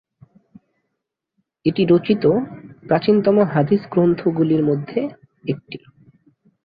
এটি রচিত প্রাচীনতম হাদিস গ্রন্থগুলির মধ্যে একটি।